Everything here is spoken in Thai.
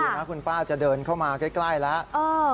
นะคุณป้าจะเดินเข้ามาใกล้แล้ว